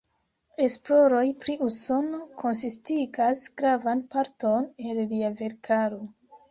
Esploroj pri Usono konsistigas gravan parton el lia verkaro.